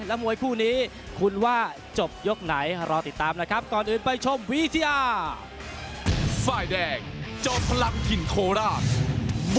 แล้วมวยคู่นี้คุณว่าจบยกไหนรอติดตามนะครับ